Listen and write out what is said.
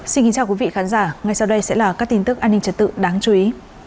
xin kính chào quý vị khán giả ngay sau đây sẽ là các tin tức an ninh trật tự đáng chú ý